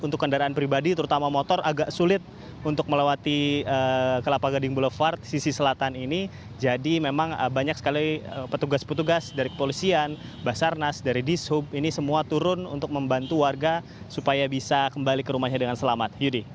terima kasih banyak bagi warga supaya bisa kembali ke rumahnya dengan selamat